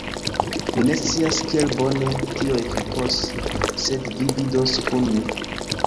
Mi ne scias kiel bone tio efikos sed vi vidos kun mi